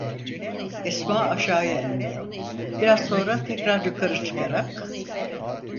Esma aşağıya indi; biraz sonra tekrar yukarı çıkarak: